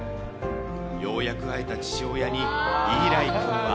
ようやく会えた父親に、イーライ君は。